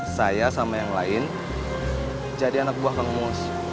saya sama yang lain jadi anak buah kang mus